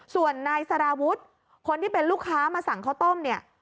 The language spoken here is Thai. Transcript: ส่วนนายสารวุฒิคนที่เป็นลูกค้ามาสั่งข้าวต้มเนี่ย